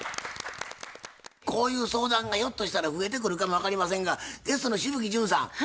こういう相談がひょっとしたら増えてくるかも分かりませんがゲストの紫吹淳さん